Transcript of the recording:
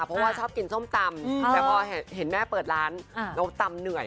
เพราะว่าชอบกินส้มตำแต่พอเห็นแม่เปิดร้านแล้วตำเหนื่อย